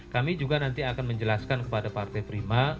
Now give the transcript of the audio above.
kami juga nanti akan menjelaskan kepada partai prima